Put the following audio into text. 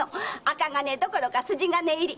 銅どころか筋金入り！